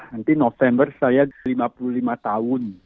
nanti november saya lima puluh lima tahun